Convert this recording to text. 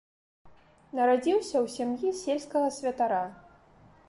Нарадзіўся ў сям'і сельскага святара.